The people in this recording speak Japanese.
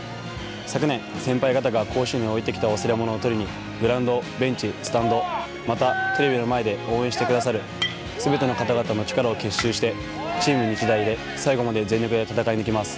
昨年、先輩方が甲子園に置いてきた忘れ物を取りにグラウンド、ベンチ、スタンドまたテレビの前で応援してくださるすべての方々の力を結集してチーム日大で最後まで全力で戦い抜きます。